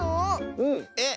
うん。えっ？